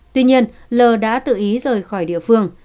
tuy nhiên l đã tự ý rời khỏi địa phương